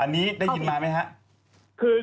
อันนี้ได้ยินมาไหมครับ